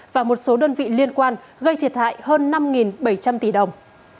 và một số đơn vị liên quan gây thiệt hại hơn năm bảy trăm linh tỷ đồng